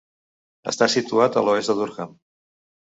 Està situat a l"oest de Durham.